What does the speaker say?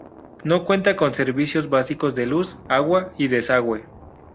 No cuenta con servicios básicos de luz, agua y desagüe.